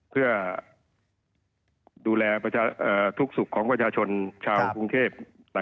เพื่อดูแลทุกสุขของประชาชนชาวกรุงเทพ